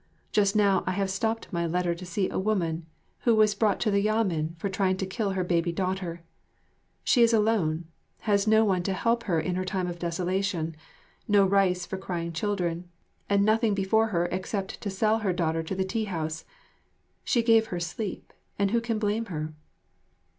Just now I have stopped my letter to see a woman who was brought to the Yamen for trying to kill her baby daughter. She is alone, has no one to help her in her time of desolation, no rice for crying children, and nothing before her except to sell her daughter to the tea house. She gave her sleep; and who can blame her?